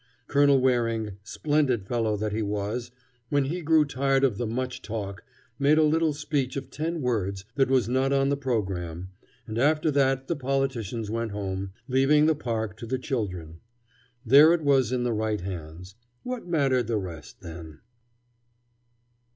Colonel Waring, splendid fellow that he was, when he grew tired of the much talk, made a little speech of ten words that was not on the programme, and after that the politicians went home, leaving the park to the children. There it was in the right hands. What mattered the rest, then?